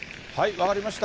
分かりました。